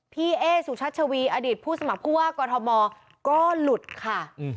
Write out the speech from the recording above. เอ๊สุชัชวีอดีตผู้สมัครผู้ว่ากอทมก็หลุดค่ะ